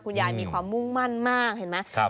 มีความมุ่งมั่นมากเห็นไหม